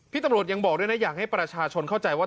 ตำรวจยังบอกด้วยนะอยากให้ประชาชนเข้าใจว่า